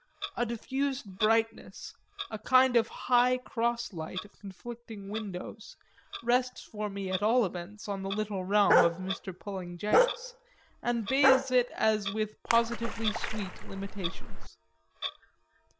A diffused brightness, a kind of high crosslight of conflicting windows, rests for me at all events on the little realm of Mr. Pulling Jenks and bathes it as with positively sweet limitations.